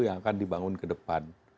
yang akan dibangun ke depan